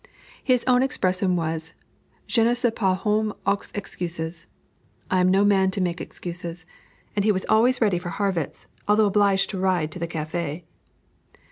His own expression was, "Je ne suis pas homme aux excuses" (I am no man to make excuses,) and he was always ready for Harrwitz, although obliged to ride to the café.